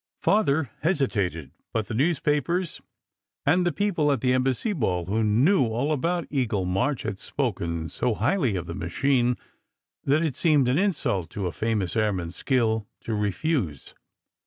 Father hesitated, but the newspapers and people at the Embassy ball who knew all about Eagle March had spoken so highly of the machine, that it seemed an insult to a fa mous airman s skill to refuse.